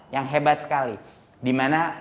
yang hebat sekali dimana